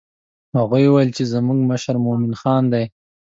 هغوی وویل چې زموږ مشر مومن خان دی.